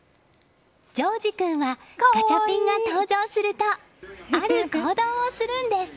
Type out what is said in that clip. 丈慈君はガチャピンが登場するとある行動をするんです。